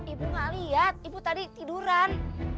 ibu gak lihat ibu tadi tiduran